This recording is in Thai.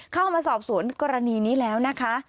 เข้ามาสอบสวนกรณีนี้แล้วนะคะ